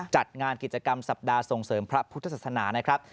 จัดงานกิจกรรมสัปดาห์ส่งเสริมพระพุทธศาสนานะครับ